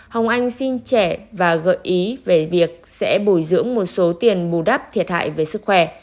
hồng anh xin trẻ và gợi ý về việc sẽ bồi dưỡng một số tiền bù đắp thiệt hại về sức khỏe